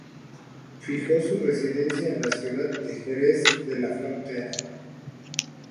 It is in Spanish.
Fijó su residencia en la ciudad de Jerez de la Frontera.